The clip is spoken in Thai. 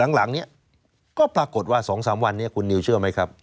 หลังเนี่ยก็ปรากฏว่า๒๓วันนี้คุณนิวเชื่อไหมครับ